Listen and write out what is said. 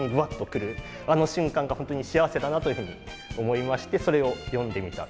あの瞬間が本当に幸せだなというふうに思いましてそれを詠んでみた。